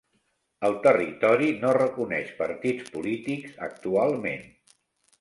El territori no reconeix partits polítics actualment.